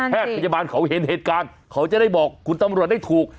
พยาบาลเขาเห็นเหตุการณ์เขาจะได้บอกคุณตำรวจได้ถูก